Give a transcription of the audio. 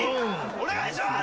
お願いします。